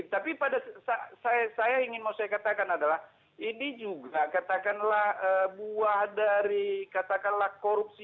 tapi pada saya ingin mau saya katakan adalah ini juga katakanlah buah dari katakanlah korupsi